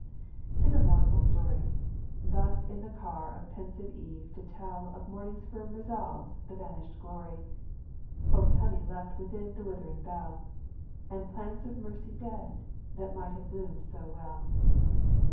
"' Tis a mournful story, Thus in the car of pensive eve to tell Of morning's firm resolves the vanished glory, Hope's honey left within the with 'ring bell, And plants of mercy dead, that might have bloomed so well.